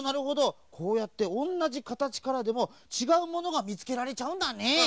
こうやっておんなじかたちからでもちがうものがみつけられちゃうんだね。